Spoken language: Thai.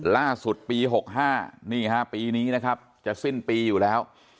ล่าสุดปี๖๕นี่ฮะปีนี้นะครับจะสิ้นปีอยู่แล้ว